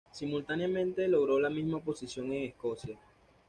Simultáneamente, logró la misma posición en Escocia.